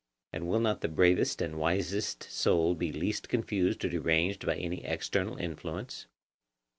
And will not the bravest and wisest soul be least confused or deranged by any external influence?